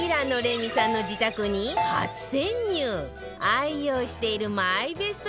愛用しているマイベスト